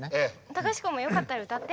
隆子もよかったら歌って。